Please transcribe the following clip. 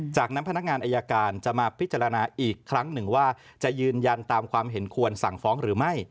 จากนั้นพนักงานอายการจะมาพิจารณาอีกครั้งหนึ่งว่าจะยืนยันตามความเห็นควรสั่งฟ้องหรือไม่